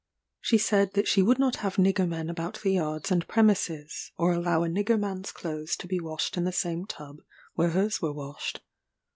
She said that she would not have nigger men about the yards and premises, or allow a nigger man's clothes to be washed in the same tub where hers were washed.